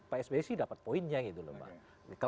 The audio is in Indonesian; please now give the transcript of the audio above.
pak sbe sih dapat poinnya gitu loh pak